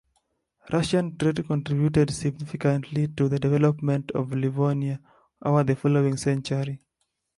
Russian trade contributed significantly to the development of Livonia over the following century.